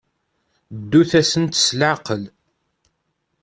Ddut-asent s leɛqel.